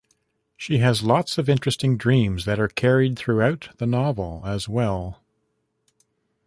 She has lots of interesting dreams that are carried throughout the novel as well.